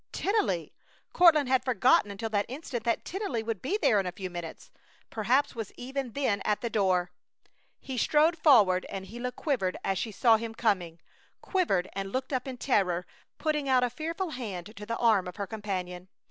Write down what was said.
Tennelly! Courtland had forgotten until that instant that Tennelly would be there in a few minutes! Perhaps was even then at the door! He strode forward, and Gila quivered as she saw him coming; quivered and looked up in terror, putting out a fearful hand to the arm of her companion.